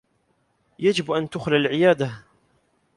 يجب أن تُخلى العيادة.